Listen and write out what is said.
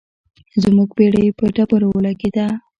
زموږ بیړۍ په ډبرو ولګیده.